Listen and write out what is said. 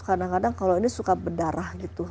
kadang kadang kalau ini suka berdarah gitu